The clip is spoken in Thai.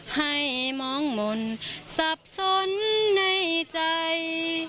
ให้มองมนต์สับสนในใจ